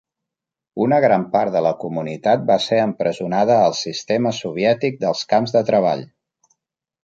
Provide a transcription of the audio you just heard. Una gran part de la comunitat va ser empresonada al sistema soviètic dels camps de treball.